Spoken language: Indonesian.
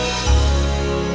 sampai jumpa lagi